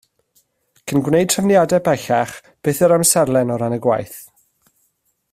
Cyn gwneud trefniadau pellach, beth yw'r amserlen o ran y gwaith